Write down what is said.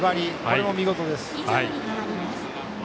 これも見事です。